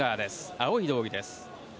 青い道着です。